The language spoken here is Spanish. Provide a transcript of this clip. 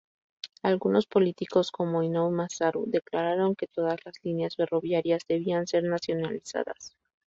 Algunos políticos, como Inoue Masaru, declararon que todas las líneas ferroviarias debían ser nacionalizadas.